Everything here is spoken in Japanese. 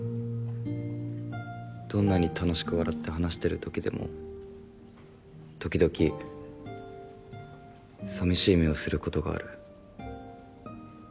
どんなに楽しく笑って話してる時でも時々寂しい目をすることがある。